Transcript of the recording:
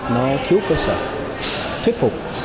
nó thiếu cơ sở thuyết phục